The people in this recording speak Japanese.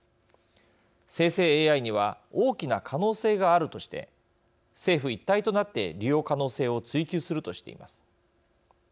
生成ＡＩには大きな可能性があるとして政府一体となって利用可能性を追求するとしています。